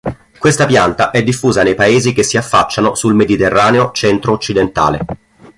Questa pianta è diffusa nei paesi che si affacciano sul Mediterraneo centro-occidentale.